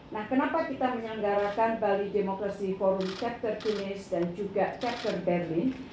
nah kenapa kita menyelenggarakan bdf chapter tunis dan juga chapter berlin